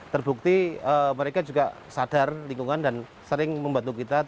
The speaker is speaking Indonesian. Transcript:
terbukti mereka juga sadar lingkungan dan sering membantu kita